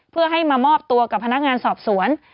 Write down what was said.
เพื่อให้มามอบตัวกับพนักงานสอบสวน